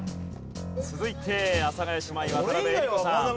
続いて阿佐ヶ谷姉妹渡辺江里子さん。